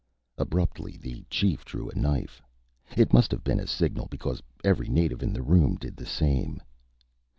Abruptly, the chief drew a knife. It must have been a signal, because every native in the room did the same.